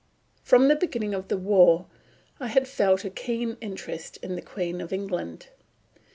From the beginning of the war I had felt a keen interest in the Queen of England.